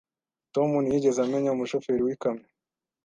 Tom ntiyigeze amenya umushoferi w'ikamyo.